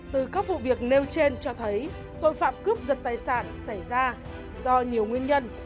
từ các vụ việc nêu trên cho thấy tội phạm cướp giật tài sản xảy ra do nhiều nguyên nhân